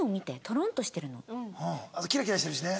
あとキラキラしてるしね。